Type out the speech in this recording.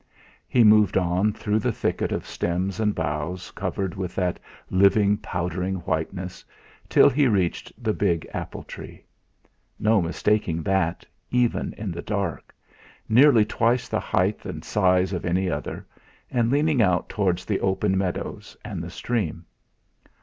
He moved on through the thicket of stems and boughs covered with that live powdering whiteness, till he reached the big apple tree. No mistaking that, even in the dark, nearly twice the height and size of any other, and leaning out towards the open meadows and the stream.